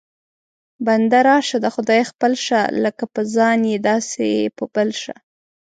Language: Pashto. بنده راشه د خدای خپل شه، لکه په ځان یې داسې په بل شه